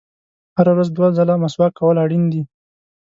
• هره ورځ دوه ځله مسواک کول اړین دي.